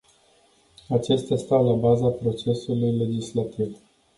Acestea stau la baza procesului legislativ.